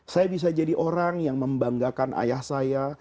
saya bisa jadi orang yang membanggakan ayah saya